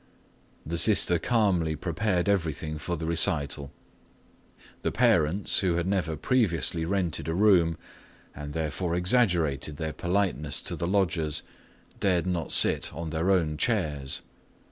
The sister calmly prepared everything for the recital. The parents, who had never previously rented a room and therefore exaggerated their politeness to the lodgers, dared not sit on their own chairs.